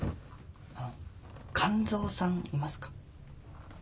あの完三さんいますか？